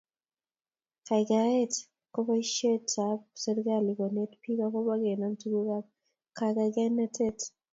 kaikaikaet ko boisietab serkali konet bik agobo kenam tugukab kagaigaigaet